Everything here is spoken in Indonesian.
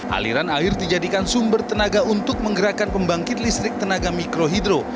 aliran air dijadikan sumber tenaga untuk menggerakkan pembangkit listrik tenaga mikrohidro